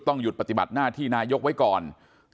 ต้องหยุดปฏิบัติหน้าที่นายกตั้งแต่วันนี้